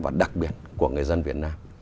và đặc biệt của người dân việt nam